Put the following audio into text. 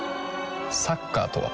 サッカーとは？